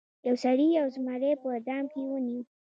یو سړي یو زمری په دام کې ونیو.